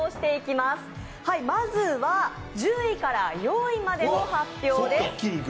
まずは１０位から４位までの発表です。